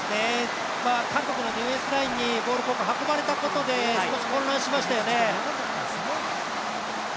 韓国のディフェンスラインにボールを運ばれたことで少し混乱しましたよね。